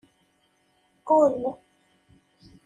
Ul.